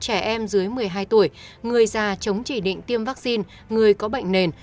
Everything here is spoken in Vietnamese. trẻ em dưới một mươi hai tuổi người già chống chỉ định tiêm vaccine người có bệnh nền